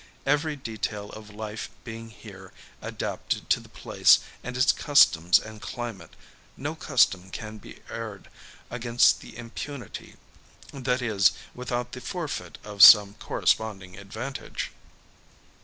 Every detail of life being here adapted to the place and its customs and climate, no custom can be erred against with impunity that is, without the forfeit of some corresponding advantage.